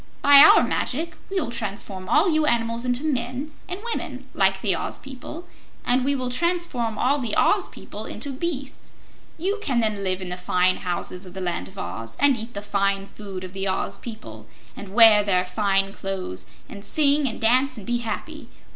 "By our magic we will transform all you animals into men and women like the Oz people and we will transform all the Oz people into beasts. You can then live in the fine houses of the Land of Oz, and eat the fine food of the Oz people, and wear their fine clothes, and sing and dance and be happy.